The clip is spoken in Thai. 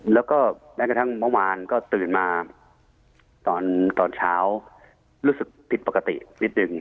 แล้วก็แม้กระทั่งเมื่อวานก็ตื่นมาตอนเช้ารู้สึกผิดปกตินิดนึง